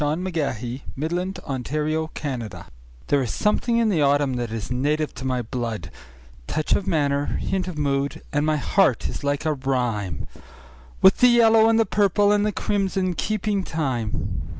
1917. Bliss Carman A Vagabond Song THERE is something in the autumn that is native to my blood—Touch of manner, hint of mood; And my heart is like a rhyme, With the yellow and the purple and the crimson keeping time.